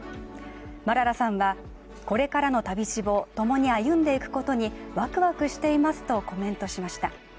マララさんは、これからの旅路を共に歩んでいくことにワクワクしていますとコメントしました。